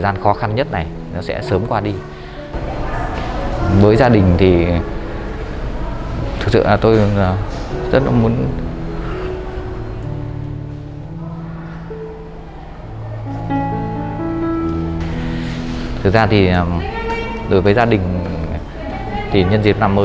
bà sẽ sớm về bà hứa